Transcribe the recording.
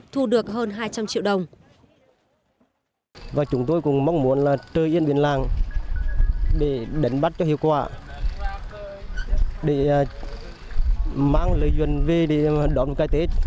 thu được hơn hai trăm linh triệu đồng